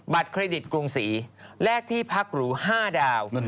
เครดิตกรุงศรีแลกที่พักหรู๕ดาว